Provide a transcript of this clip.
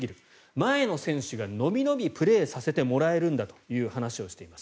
前の選手がのびのびプレーさせてもらえるんだという話をしています。